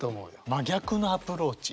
真逆のアプローチ。